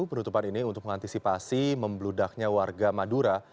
penutupan ini untuk mengantisipasi membludaknya warga madura